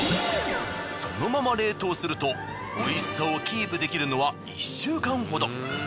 そのまま冷凍するとおいしさをキープできるのは１週間ほど。